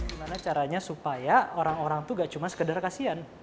gimana caranya supaya orang orang itu gak cuma sekedar kasihan